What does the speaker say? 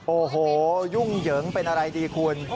โอ้โหยุ่งเหยิงเป็นอะไรดีคุณ